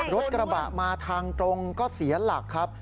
รถกระบะมาทางตรงก็เสียหลักครับ